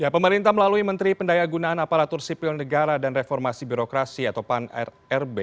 pemerintah melalui menteri pendaya gunaan aparatur sipil negara dan reformasi birokrasi atau pan rrb